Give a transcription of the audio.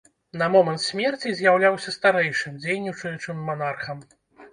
На момант смерці з'яўляўся старэйшым дзейнічаючым манархам.